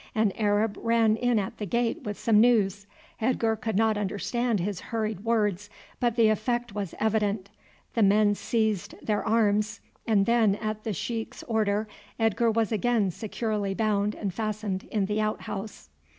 An Arab ran in at the gate with some news. Edgar could not understand his hurried words, but the effect was evident. The men seized their arms, and then at the sheik's order Edgar was again securely bound and fastened in the outhouse.